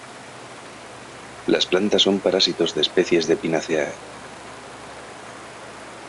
Las plantas son parásitos de especies de "Pinaceae".